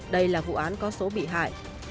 đây là vụ án có số bị hại